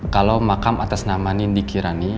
kalau makam atas nama nindi kirani